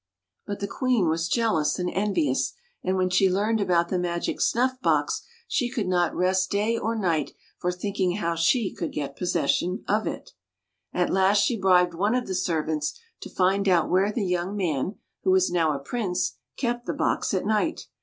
But the Queen was jealous and envious, and when she learned about the magic snuff box, she could not rest day or night for thinking how she could get possession of it. At last she bribed one of the servants to find out where the young man, who was now a Prince, kept the box at night.